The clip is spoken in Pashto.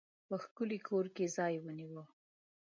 په ښکلي کور کې ځای ونیوی.